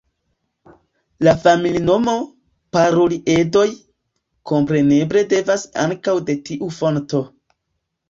La familinomo, Paruliedoj, kompreneble devenas ankaŭ de tiu fonto.